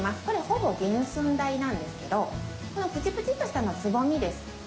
これほぼ原寸大なんですけどこのプチプチとしたのはつぼみです。